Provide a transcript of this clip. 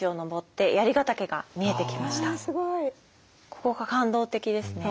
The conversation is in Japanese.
ここが感動的ですね。